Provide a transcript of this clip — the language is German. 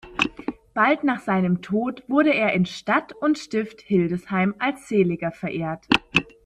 Bald nach seinem Tod wurde er in Stadt und Stift Hildesheim als Seliger verehrt.